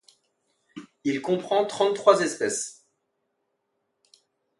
Il comprend trente-trois espèces.